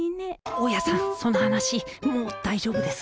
大家さんその話もう大丈夫です。